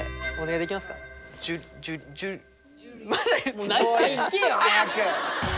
もう行けよ早く。